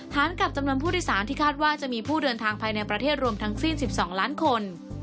กับจำนวนผู้โดยสารที่คาดว่าจะมีผู้เดินทางภายในประเทศรวมทั้งสิ้น๑๒ล้านคน